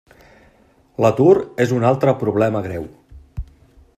L'atur és un altre problema greu.